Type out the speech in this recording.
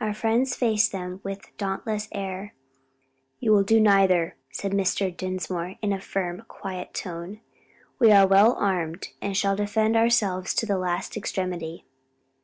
Our friends faced them with dauntless air. "You will do neither," said Mr. Dinsmore, in a firm, quiet tone; "we are well armed and shall defend ourselves to the last extremity."